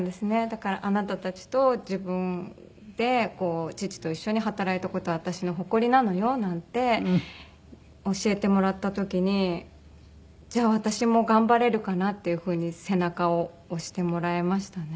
だから「あなたたちと自分で父と一緒に働いた事は私の誇りなのよ」なんて教えてもらった時にじゃあ私も頑張れるかなっていう風に背中を押してもらえましたね。